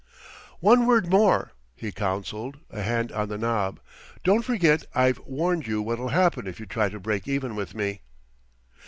"One word more," he counseled, a hand on the knob. "Don't forget I've warned you what'll happen if you try to break even with me."